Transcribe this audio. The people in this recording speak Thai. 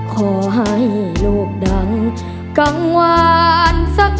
ขอให้โลกดังกังวานสัก